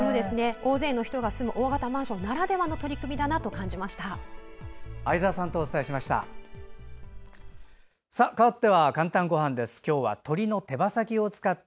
大勢の人が住む大型マンションならではの相沢さんとお伝えしました。